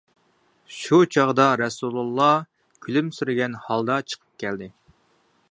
شۇ چاغدا رەسۇلىللا كۈلۈمسىرىگەن ھالدا چىقىپ كەلدى.